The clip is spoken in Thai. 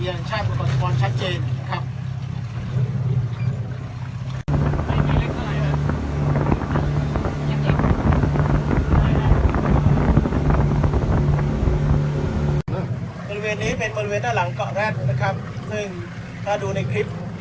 บริเวณนี้เป็นบริเวณด้านหลังเกาะแร็ดนะครับซึ่งถ้าดูในคลิป